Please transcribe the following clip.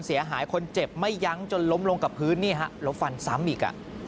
เสียหายคนเจ็บไม่ยั้งจนล้มลงกับพื้นนี่ฮะแล้วฟันซ้ำอีก